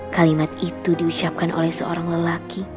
kalimat itu diucapkan oleh seorang lelaki